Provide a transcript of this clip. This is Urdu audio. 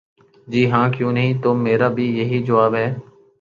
''جی ہاں، کیوں نہیں‘‘ ''تو میرا بھی یہی جواب ہے۔